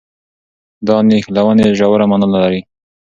دا نښلونې ژوره مانا لري.